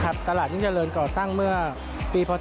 ตลาดยิ่งเจริญก่อตั้งเมื่อปีพศ๒๕